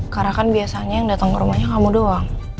karena kan biasanya yang datang ke rumahnya kamu doang